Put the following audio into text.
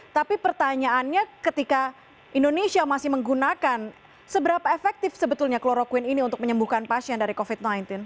tapi pertanyaannya ketika indonesia masih menggunakan seberapa efektif sebetulnya kloroquine ini untuk menyembuhkan pasien dari covid sembilan belas